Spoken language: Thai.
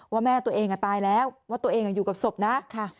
ว่าแม่ตัวเองตายแล้วว่าตัวเองอยู่กับศพนะ